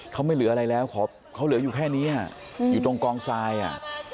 เขาไม่เหลืออะไรแล้วเขาเหลืออยู่แค่นี้อ่ะอยู่ตรงกองทรายอ่ะ